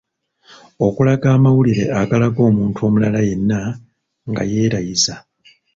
Okulaga amawulire agalaga omuntu omulala yenna nga yeerayiza